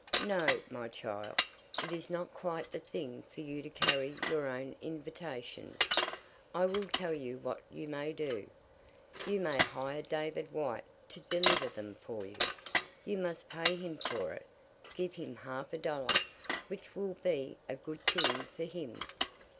"No, my child; it is not quite the thing for you to carry your own invitations. I will tell you what you may do. You may hire David White to deliver them for you. You must pay him for it; give him half a dollar, which will be a good thing for him."